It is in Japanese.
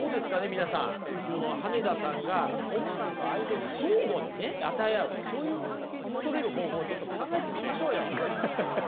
皆さんこの羽根田さんが奥さんと愛情を相互にね与え合うそういう関係に戻れる方法をちょっと考えてみましょうよ。